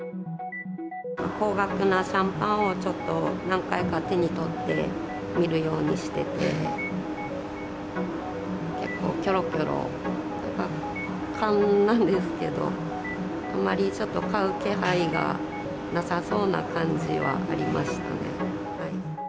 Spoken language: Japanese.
高額なシャンパンをちょっと、何回か手に取って見るようにしてて、結構きょろきょろ、勘なんですけど、あまりちょっと買う気配がなさそうな感じはありましたね。